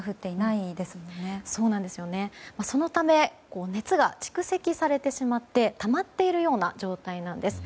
そのため熱が蓄積されてしまってたまっているような状態なんです。